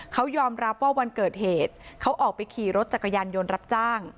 เขายอมรับว่าวันเกิดเหตุเขาออกไปขี่รถจักรยานยนต์รับจ้าง